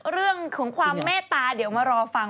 เรื่องของความเมตตาเดี๋ยวมารอฟัง